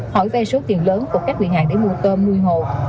hỏi về số tiền lớn của các vị hại để mua tôm nuôi hồ